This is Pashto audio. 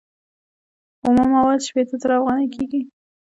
اومه مواد شپیته زره افغانۍ کېږي